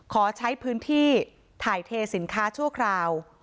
ขอใช้พื้นที่ถ่ายเทสินค้าชั่วคราว